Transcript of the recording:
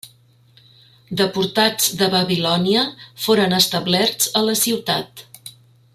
Deportats de Babilònia foren establerts a la ciutat.